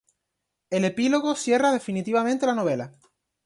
El Epílogo cierra definitivamente la novela.